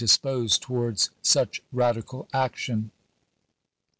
disposed towards such radical action.